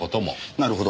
なるほど。